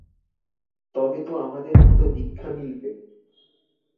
তবে তো আমাদের মত ভিক্ষা মিলবে।